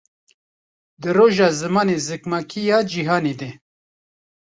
Di Roja Zimanê Zikmakî ya Cihanê De